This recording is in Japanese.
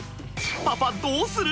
パパどうする？